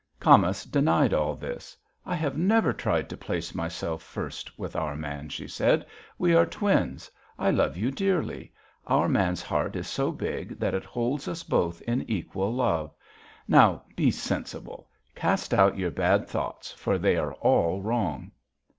Camas denied all this. 'I have never tried to place myself first with our man,' she said. 'We are twins; I love you dearly; our man's heart is so big that it holds us both in equal love. Now, be sensible! Cast out your bad thoughts for they are all wrong.'